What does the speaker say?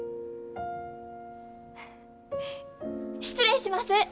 失礼します！